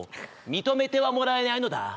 「認めてはもらえないのだ」